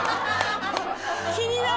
「気になる」